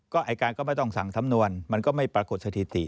อายการก็ไม่ต้องสั่งสำนวนมันก็ไม่ปรากฏสถิติ